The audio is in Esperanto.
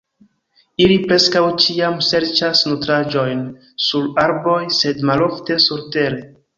Ili preskaŭ ĉiam serĉas nutraĵojn sur arboj, sed malofte surtere.